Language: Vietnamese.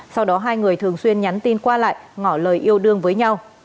sau đó hai người thường xuyên nhắn tin qua lại ngỏ lời yêu đương với nhau